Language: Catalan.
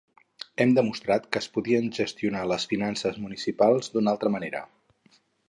Hem demostrat que es podien gestionar les finances municipals d’una altra manera.